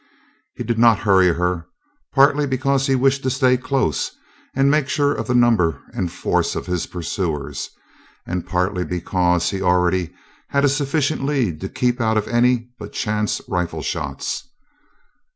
He did not hurry her, partly because he wished to stay close and make sure of the number and force of his pursuers, and partly because he already had a lead sufficient to keep out of any but chance rifle shots.